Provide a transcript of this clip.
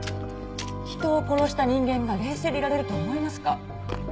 人を殺した人間が冷静でいられると思いますか？